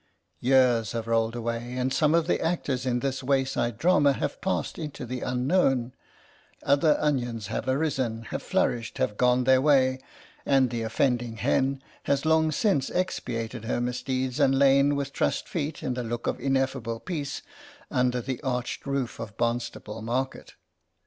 Years have rolled away, and some of the actors in this wayside drama have passed into the Unknown ; other onions have arisen, have flourished, have gone their way, and the offending hen has long since expiated her misdeeds and lain with trussed feet and a look of ineffable peace under the arched roof of Barnstaple market.